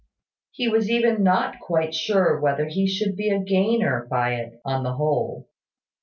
He was even not quite sure whether he should not be a gainer by it on the whole.